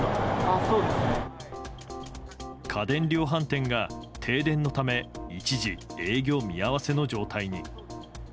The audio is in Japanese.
家電量販店が停電のため一時営業見合わせの状態に。